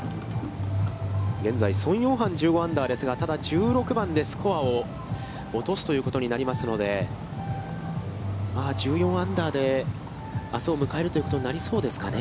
現在、宋永漢１５アンダーですがただ、１６番でスコアを落とすということになりますので、１４アンダーで、あすを迎えるということになりそうですかね。